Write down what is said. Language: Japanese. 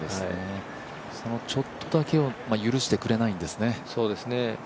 そのちょっとだけを許してくれないんですね。